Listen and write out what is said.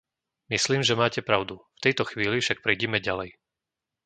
Myslím, že máte pravdu, v tejto chvíli však prejdime ďalej.